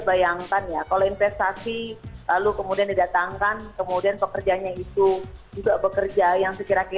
mbak fani bisa bayangkan ya kalau investasi lalu kemudian didatangkan kemudian pekerjanya itu juga pekerja yang sekiranya